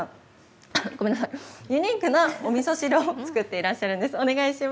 ユニークなおみそ汁を作っていらっしゃるんです。